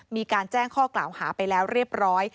มีการแจ้งข้อกล่าวหาไปแล้วเรียบร้อย